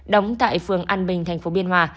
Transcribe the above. đóng tại phường an bình tp biên hòa